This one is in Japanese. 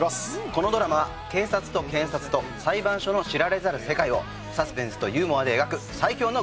このドラマは警察と検察と裁判所の知られざる世界をサスペンスとユーモアで描く最強の群像劇です。